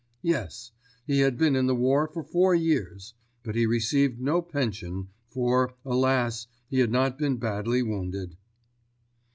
Yes. He had been in the war for four years. But he received no pension, for, alas, he had not been badly wounded.